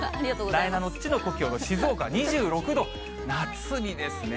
なえなのっちの故郷の、静岡２６度、夏日ですね。